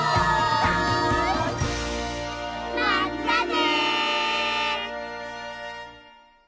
まったね！